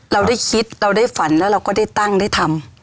เราได้คิดเราได้ฝันแล้วเราก็ได้ตั้งได้ทำ